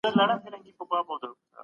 دا اندازه لنډه ده.